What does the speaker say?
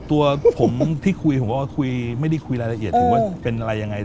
ตัวผมที่คุยผมว่าคุยไม่ได้คุยรายละเอียดถึงว่าเป็นอะไรยังไง